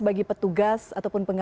bagi petugas ataupun pemerintah